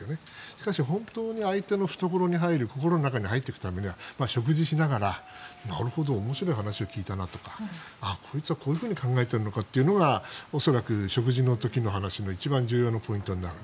しかし、本当に相手の懐に入る心の中に入っていくためには食事をしながらなるほど面白い話を聞いたなとかこいつはこう考えているんだというのが恐らく食事の中で一番重要なポイントになる。